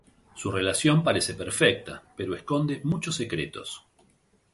Su relación parece perfecta, pero esconde muchos secretos.